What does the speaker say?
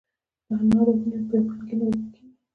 د انارو ونې په مالګینو اوبو کیږي؟